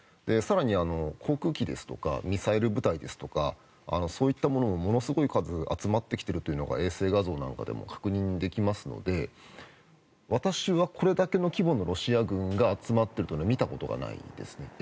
更に、航空機、ミサイル部隊そういったものもすごい数集まってきているというのが衛星画像なんかでも確認できますので私はこれだけの規模のロシア軍が集まっているのは見たことがないですね。